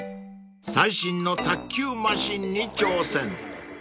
［最新の卓球マシンに挑戦］